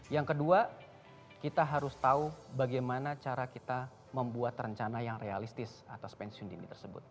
yang kedua kita harus tahu bagaimana cara kita membuat rencana yang realistis atas pensiun dini tersebut